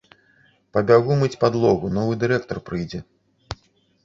Пабягу мыць падлогу, новы дырэктар прыйдзе.